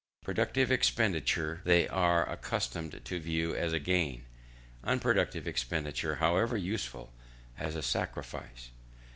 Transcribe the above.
Productive expenditure they are accustomed to view as a gain; unproductive expenditure, however useful, as a sacrifice.